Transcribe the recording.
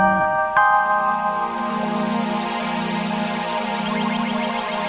emang emaknya aneh kok